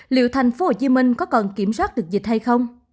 liệu tp hcm có còn kiểm soát được dịch hay không